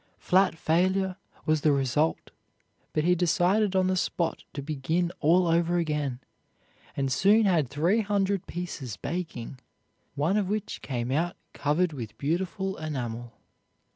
Flat failure was the result, but he decided on the spot to begin all over again, and soon had three hundred pieces baking, one of which came out covered with beautiful enamel.